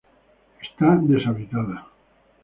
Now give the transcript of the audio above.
Está deshabitada.